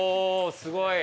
すごい！